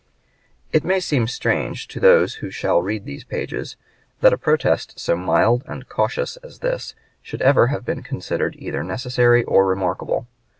It may seem strange to those who shall read these pages that a protest so mild and cautious as this should ever have been considered either necessary or remarkable.